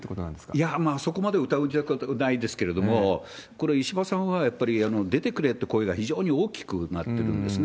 いや、そこまで疑うじゃないですけれども、これ、石破さんはやっぱり出てくれっていう声が非常に大きくなってくるんですね。